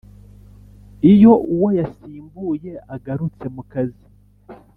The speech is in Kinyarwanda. iyo uwo yasimbuye agarutse mu kazi